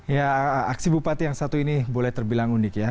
ya aksi bupati yang satu ini boleh terbilang unik ya